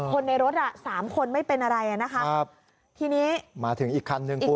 คนในรถอ่ะสามคนไม่เป็นอะไรอ่ะนะคะครับทีนี้มาถึงอีกคันหนึ่งคุณ